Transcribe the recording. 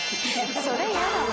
それやだな。